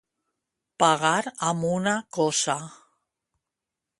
Pagar amb una coça.